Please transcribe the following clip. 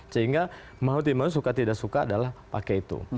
sehingga mau tidak mau suka tidak suka adalah pakai itu